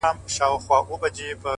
مثبت فکر د زړه دروندوالی کموي,